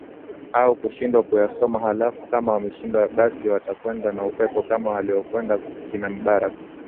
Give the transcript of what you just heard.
au kushindwa kuyasoma halafu kama wameshindwa basi watakwenda na upepo kama waliokwenda kina mubarak